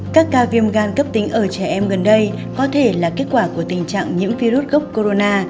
các ca viêm gan cấp tính ở trẻ em gần đây có thể là kết quả của tình trạng nhiễm virus corona